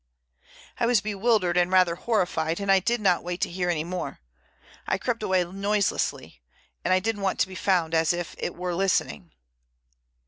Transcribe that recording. I was bewildered and rather horrified, and I did not wait to hear any more. I crept away noiselessly, and I didn't want to be found as it were listening.